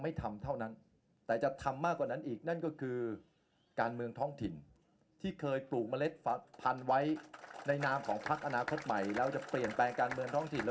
ไม่ทำเท่านั้นแต่จะทำมากกว่านั้นอีกนั่นก็คือการเมือง